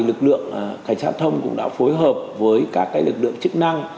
lực lượng cảnh sát thông cũng đã phối hợp với các lực lượng chức năng